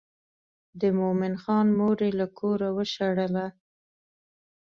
د مومن خان مور یې له کوره وشړله.